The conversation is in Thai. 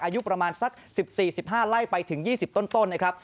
อายุประมาณสัก๑๔๑๕ไล่ไปถึง๒๐ต้นนะครับ